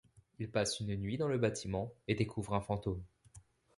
Il passe une nuit dans le bâtiment et découvre un fantôme.